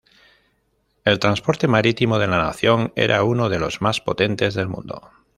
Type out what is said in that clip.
El transporte marítimo de la nación era uno de los más potentes del mundo.